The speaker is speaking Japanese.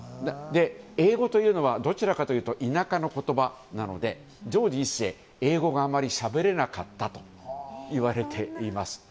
英語というのはどちらかというと田舎の言葉なのでジョージ１世英語があまりしゃべれなかったといわれています。